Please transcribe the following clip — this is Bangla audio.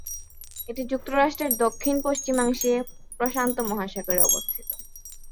এটি যুক্তরাষ্ট্রের দক্ষিণ-পশ্চিমাংশে, প্রশান্ত মহাসাগরে অবস্থিত।